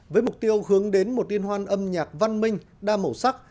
với mục tiêu hướng đến một liên hoan âm nhạc văn minh đa màu sắc